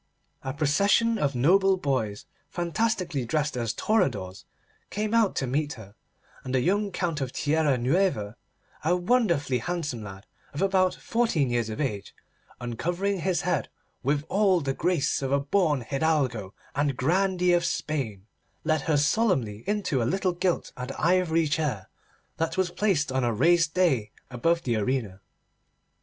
A procession of noble boys, fantastically dressed as toreadors, came out to meet her, and the young Count of Tierra Nueva, a wonderfully handsome lad of about fourteen years of age, uncovering his head with all the grace of a born hidalgo and grandee of Spain, led her solemnly in to a little gilt and ivory chair that was placed on a raised dais above the arena.